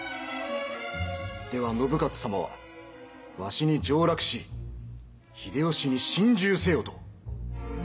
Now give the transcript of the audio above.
では信雄様はわしに上洛し秀吉に臣従せよと。